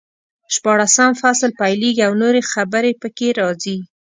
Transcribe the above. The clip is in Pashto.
شپاړسم فصل پیلېږي او نورې خبرې پکې راځي.